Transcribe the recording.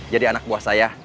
jadi anak buah saya